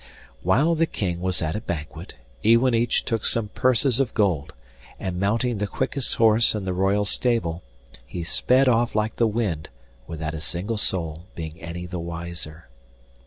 While the King was at a banquet, Iwanich took some purses of gold, and mounting the quickest horse in the royal stable, he sped off like the wind without a single soul being any the wiser.